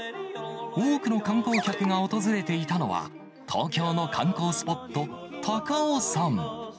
多くの観光客が訪れていたのは、東京の観光スポット、高尾山。